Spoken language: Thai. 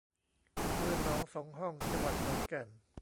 อำเภอหนองสองห้อง จังหวัดขอนแก่น